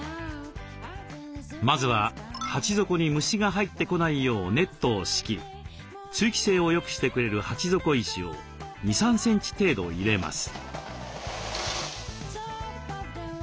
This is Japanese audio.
まずは鉢底に虫が入ってこないようネットを敷き通気性をよくしてくれる鉢底石を２３センチ程度入れます。